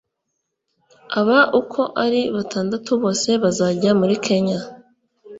Aba uko ari batandatu bose bazajya muri Kenya